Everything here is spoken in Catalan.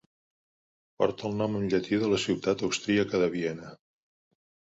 Porta el nom en llatí de la ciutat austríaca de Viena.